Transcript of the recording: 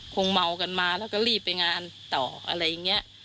คงเมากันมาแล้วก็รีบไปงานต่ออะไรอย่างนี้